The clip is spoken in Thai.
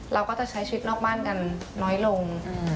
เราก็จะใช้ชีวิตนอกบ้านกันน้อยลง